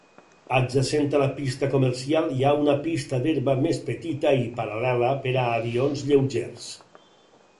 Adjacent a la pista comercial hi ha una pista d'herba més petita i paral·lela per a avions lleugers.